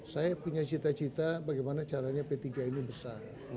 saya punya cita cita bagaimana caranya p tiga ini besar